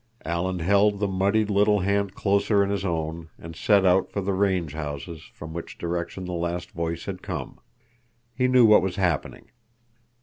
Alan held the muddied little hand closer in his own and set out for the range houses, from which direction the last voice had come. He knew what was happening.